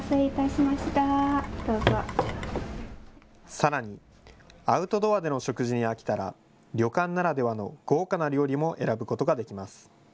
さらにアウトドアでの食事に飽きたら旅館ならではの豪華な料理も選ぶことができます。